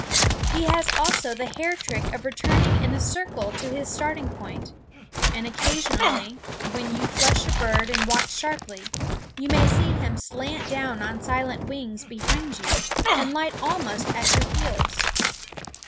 He has also the hare trick of returning in a circle to his starting point; and occasionally, when you flush a bird and watch sharply, you may see him slant down on silent wings behind you and light almost at your heels.